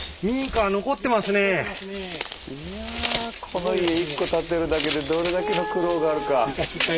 この家１戸建てるだけでどれだけの苦労があるか。